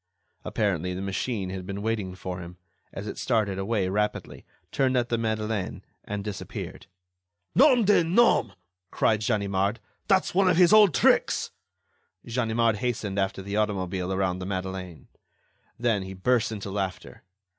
Apparently, the machine had been waiting for him, as it started away rapidly, turned at the Madeleine and disappeared. "Nom de nom!" cried Ganimard, "that's one of his old tricks!" Ganimard hastened after the automobile around the Madeleine. Then, he burst into laughter.